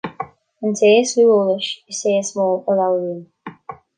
An té is lú eolais is é is mó a labhraíonn